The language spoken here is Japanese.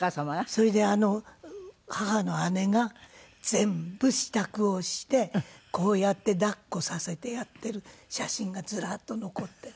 それであの母の姉が全部支度をしてこうやって抱っこさせてやってる写真がずらっと残ってる。